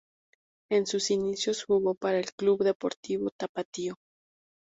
En sus inicios jugó para el Club Deportivo Tapatío.